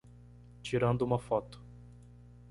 Tirando uma foto